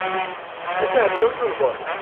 এ তো একদম দুর্বল!